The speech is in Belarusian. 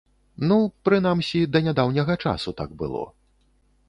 Ну, прынамсі, да нядаўняга часу так было.